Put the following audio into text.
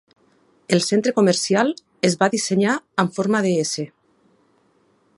El centre comercial es va dissenyar amb forma de "S".